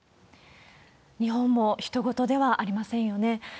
日本もひと事ではありませんよね。